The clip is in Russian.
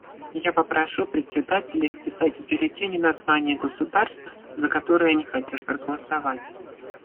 Я попрошу представителей вписать в бюллетени название государства, за которое они хотят проголосовать.